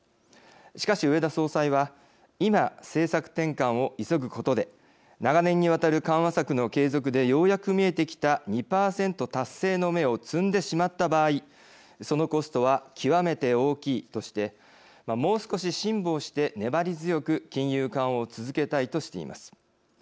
しかし植田総裁は今政策転換を急ぐことで長年にわたる緩和策の継続でようやく見えてきた２％達成の芽を摘んでしまった場合そのコストは極めて大きいとしてもう少し辛抱して粘り強く金融緩和を続けたいとしています。